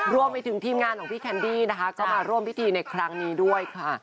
รวมไปถึงทีมงานของพี่แคนดี้นะคะก็มาร่วมพิธีในครั้งนี้ด้วยค่ะ